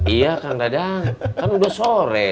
iya kang dadang kan udah sore